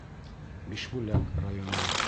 Бишбүләк районы.